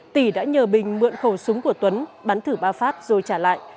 tỉ đã nhờ bình mượn khẩu súng của tuấn bắn thử ba phát rồi trả lại